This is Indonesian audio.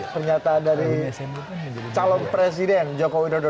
pernyataan dari calon presiden jokowi dodo